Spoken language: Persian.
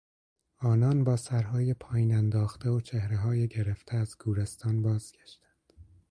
آنان با سرهای پایین انداخته و چهرههای گرفته از گورستان بازگشتند.